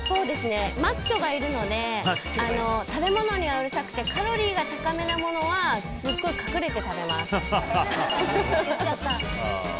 マッチョがいるので食べ物にはうるさくてカロリーが高めなものはすごい隠れて食べます。